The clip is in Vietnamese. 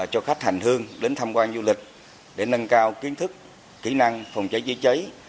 cho khách hành hương đến tham quan du lịch để nâng cao kiến thức kỹ năng phòng cháy chữa cháy